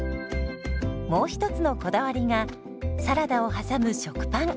もう一つのこだわりがサラダを挟む食パン。